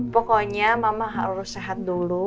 pokoknya mama harus sehat dulu